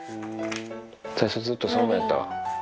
最初ずっとそんなんやったわ。